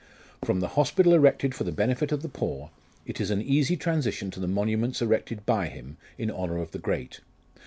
From the hospital erected for the benefit of the poor, it is an easy transi tion to the monuments erected by him in honour of the great.